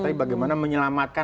tapi bagaimana menyelamatkan